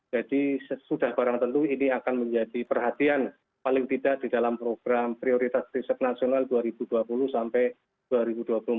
jadi sudah barang tentu ini akan menjadi perhatian paling tidak di dalam program prioritas riset nasional dua ribu dua puluh sampai dua ribu dua puluh empat